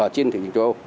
trên thị trường châu âu